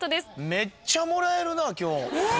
めっちゃもらえるな今日。